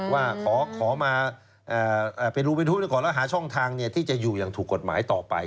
ว่าขอมาเป็นรูเป็นทุกข์ขอแล้วหาช่องทางที่จะอยู่อย่างถูกกฎหมายต่อไป